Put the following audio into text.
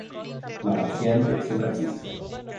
La paziente sopravvisse.